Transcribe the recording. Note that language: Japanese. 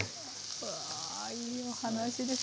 うわいいお話です。